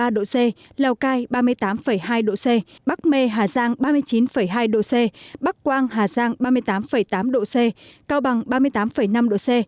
ba độ c lào cai ba mươi tám hai độ c bắc mê hà giang ba mươi chín hai độ c bắc quang hà giang ba mươi tám tám độ c cao bằng ba mươi tám năm độ c